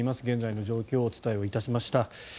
現在の状況をお伝えしました。